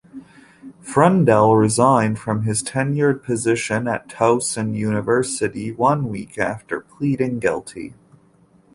Freundel resigned from his tenured position at Towson University one week after pleading guilty.